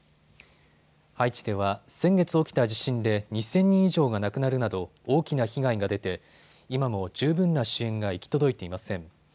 ハイチでは先月起きた地震で２０００人以上が亡くなるなど大きな被害が出て今も十分な支援が行き届いていません。